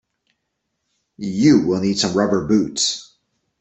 You will need some rubber boots.